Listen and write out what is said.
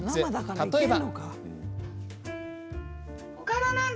例えば。